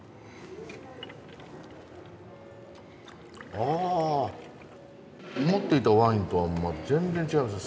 あ思っていたワインとは全然違いますね。